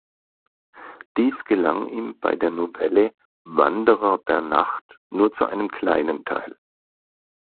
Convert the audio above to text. Dies gelang ihm bei der Novelle "Wanderer der Nacht" nur zu einem kleinen Teil.